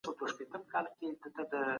د خپلو شتمنیو زکات ورکړئ.